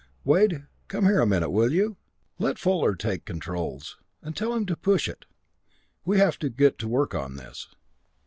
Wade come here a minute, will you? Let Fuller take the controls, and tell him to push it. We have to get to work on this."